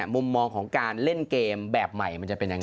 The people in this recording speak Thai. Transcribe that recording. มุมมองของการเล่นเกมแบบใหม่มันจะเป็นยังไง